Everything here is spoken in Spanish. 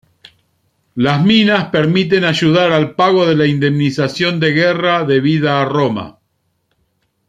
Las minas permiten ayudar al pago de la indemnización de guerra debida a Roma.